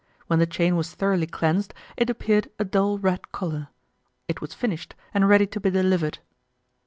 When the chain was thoroughly cleansed, it appeared a dull red color. It was finished, and ready to be delivered.